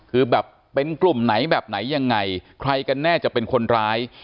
คือแบบเป็นกลุ่มไหนแบบไหนยังไงใครกันแน่จะเป็นคนร้าย